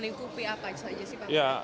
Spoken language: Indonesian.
lingkupi apa saja sih pak